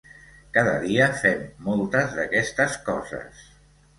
Cada dia fem moltes d'aquestes coses.